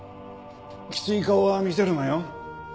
きつい顔は見せるなよ。